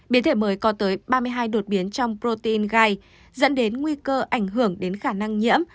biến thể mới có tới ba mươi hai đột biến trong protein gai dẫn đến nguy cơ ảnh hưởng đến khả năng nhiễm